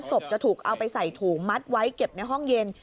ศพจะถูกเอาไปใส่ถุงมัดไว้เก็บในห้องเย็น